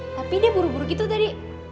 tapi ini buru buru gitu tadi